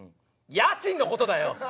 家賃のことだよ！